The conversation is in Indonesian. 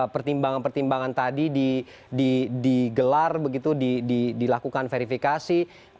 pertimbangan pertimbangan tadi digelar begitu dilakukan verifikasi